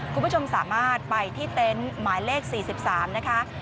คุณผู้ชมสามารถไปที่เต็นต์หมายเลข๔๓นะคะ